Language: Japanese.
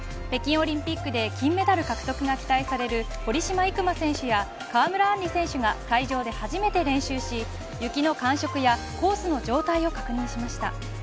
北京オリンピックで金メダル獲得が期待される堀島行真選手や川村あんり選手が会場で初めて練習し雪の感触やコースの状態を確認しました。